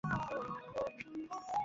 বলেছিলাম গুরুর সাথে পাঙ্গা না নিতে।